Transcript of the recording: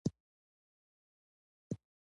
که د سېلاب زیاتوالی او کموالی د مصرع په منځ کې راشي.